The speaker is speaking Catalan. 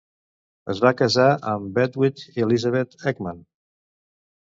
Es va casar amb Hedvig Elisabeth Ekman.